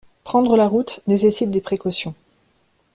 Prendre la route nécessite des précautions.